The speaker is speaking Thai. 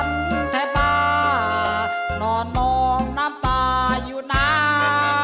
ให้ฉันแทบปลานอนนองน้ำตาอยู่หน้า